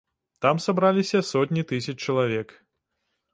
Там сабраліся сотні тысяч чалавек.